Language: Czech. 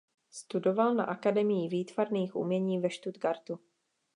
Studoval na akademii výtvarných umění ve Stuttgartu.